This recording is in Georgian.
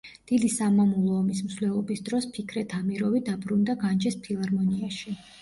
დიდი სამამულო ომის მსვლელობის დროს ფიქრეთ ამიროვი დაბრუნდა განჯის ფილარმონიაში.